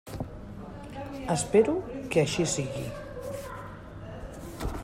Espero que així sigui.